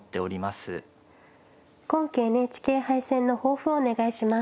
今期ＮＨＫ杯戦の抱負をお願いします。